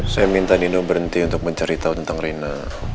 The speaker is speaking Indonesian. saya minta nino berhenti untuk menceritakan tentang rina